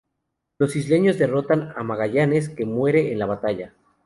Los isleños derrotan a Magallanes que muere en la batalla.